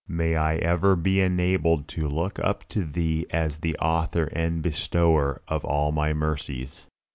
May I ever be enabled to look up to Thee as the Author and Bestower of all my mercies.